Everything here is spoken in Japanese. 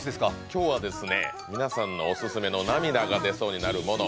今日は皆さんのオススメの涙が出そうになるモノ。